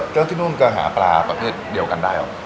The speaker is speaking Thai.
แล้วก็หาปลาประเภทเดียวกันได้หรอ